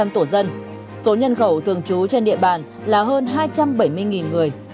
một trăm linh tổ dân số nhân khẩu thường trú trên địa bàn là hơn hai trăm bảy mươi người